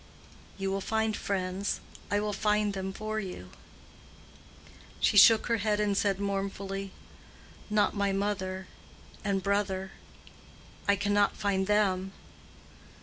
"You will find friends. I will find them for you." She shook her head and said mournfully, "Not my mother and brother. I cannot find them."